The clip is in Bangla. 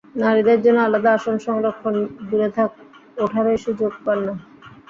নারীদের জন্য আলাদা আসন সংরক্ষণ দূরে থাক, ওঠারই সুযোগ পান না।